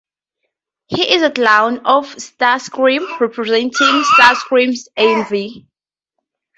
He is a clone of Starscream, representing Starscream's envy.